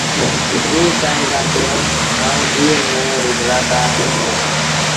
ائيٚݩ ڪهين دآ تا آئو ائيٚݩ مݩهݩ ريٚ مولآڪآت ڪرو